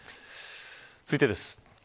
続いてです。